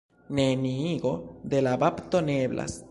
Neniigo de la bapto ne eblas.